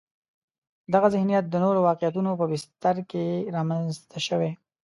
دغه ذهنیت د نورو واقعیتونو په بستر کې رامنځته شوی.